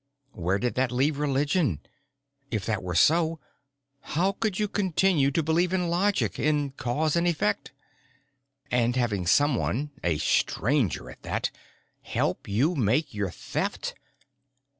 Where did that leave religion? If that were so, how could you continue to believe in logic, in cause and effect? And having someone a Stranger, at that! help you make your Theft.